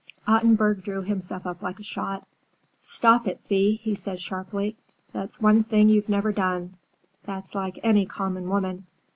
Ottenburg drew himself up like a shot. "Stop it, Thea!" he said sharply. "That's one thing you've never done. That's like any common woman."